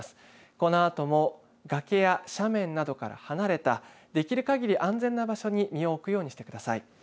このあとも崖や斜面などから離れたできるかぎり安全な場所に身を置くようにしてください。